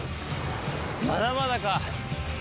まだまだか。